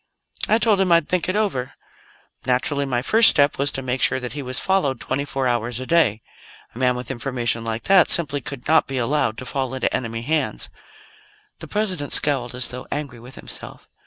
"I told him I'd think it over. Naturally, my first step was to make sure that he was followed twenty four hours a day. A man with information like that simply could not be allowed to fall into enemy hands." The President scowled, as though angry with himself.